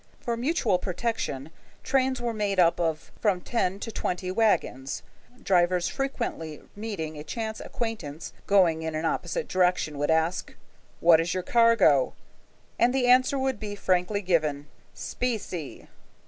For mutual protection trains were made up of from ten to twenty wagons. Drivers frequently meeting a chance acquaintance going in an opposite direction would ask, "What is your cargo?" and the answer would be frankly given, "Specie."